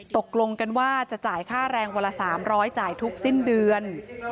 ตกลงกันว่าจะจ่ายค่าแรงวันละ๓๐๐จ่ายทุกสิ้นเดือน